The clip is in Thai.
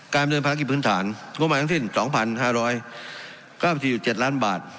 ๑๐การบริเวณภารกิจพื้นฐานรวมมาทั้งที่๒๕๙๗ล้านบาท